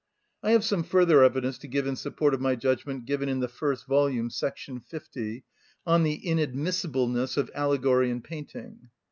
I have some further evidence to give in support of my judgment given in the first volume, § 50, on the inadmissibleness of allegory in painting.